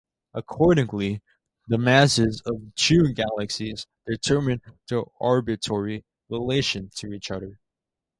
Accordingly, the masses of two galaxies determine their orbitary relation to eachother.